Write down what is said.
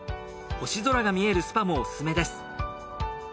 星空が見えるスパもオススメです。